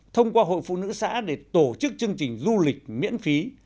thông qua hội phụ nữ xã để tổ chức chương trình du lịch miễn phí